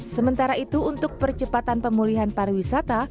sementara itu untuk percepatan pemulihan pariwisata